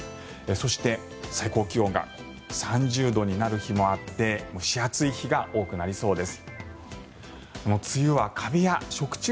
そして、最高気温が３０度になる日もあって蒸し暑い日が多くなりそうです。